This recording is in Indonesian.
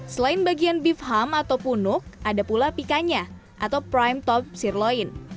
selain bagian beef ham atau punuk ada pula pikanya atau prime top sirloin